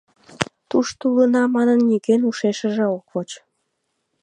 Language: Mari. Тушто улына манын, нигӧн ушешыже ок воч.